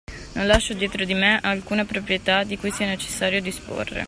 Non lascio dietro di me alcuna proprietà di cui sia necessario disporre.